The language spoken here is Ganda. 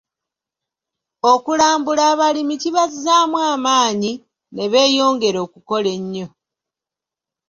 Okulambula abalimi kibazzaamu amaanyi ne beeyongera okukola ennyo.